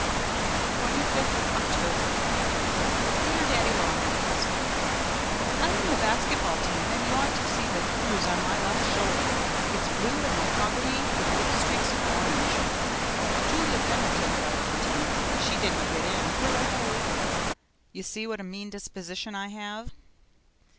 25th October Dear Daddy Long Legs, I'm in the basket ball team and you ought to see the bruise on my left shoulder. It's blue and mahogany with little streaks of orange. Julia Pendleton tried for the team, but she didn't get in. Hooray! You see what a mean disposition I have.